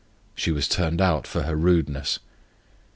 She was turned out for her rudeness.